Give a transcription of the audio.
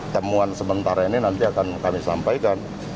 temuan sementara ini nanti akan kami sampaikan